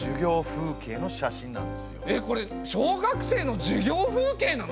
えっこれ小学生の授業風景なの！？